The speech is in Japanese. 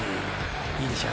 いいでしょ？］